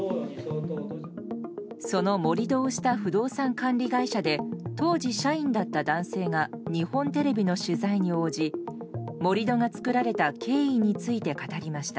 その盛り土をした不動産管理会社で当時、社員だった男性が日本テレビの取材に応じ盛り土が作られた経緯について語りました。